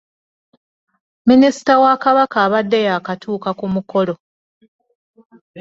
Minisita wa Kabaka abadde yaakatuuka ku mukolo.